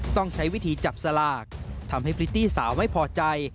ต้องใช้วิธีจับสลากทำให้พริตตี้สาวไม่พอใจ